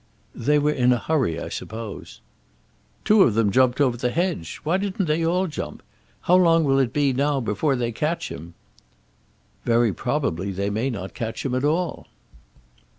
"They were in a hurry, I suppose." "Two of them jumped over the hedge. Why didn't they all jump? How long will it be now before they catch him?" "Very probably they may not catch him at all."